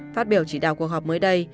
phát biểu chỉ đạo cuộc họp mới đây